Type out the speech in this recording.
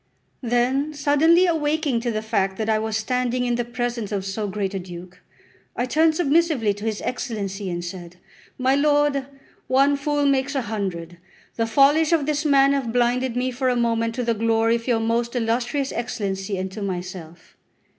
Then suddenly awaking to the fact that I was standing in the presence of so great a duke, I turned submissively to his Excellency and said: "My lord, one fool makes a hundred; the follies of this man have blinded me for a moment to the glory of your most illustrious Excellency and to myself.